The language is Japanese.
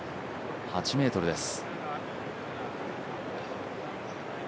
８ｍです。